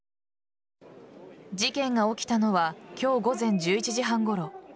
事件が起きたのは今日午前１１時半ごろ。